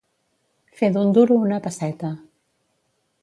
Fer d'un duro una pesseta.